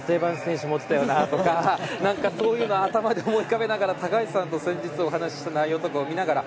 そういうのを頭で思い浮かべながら高橋さんと先日お話しした内容とかを見ながら。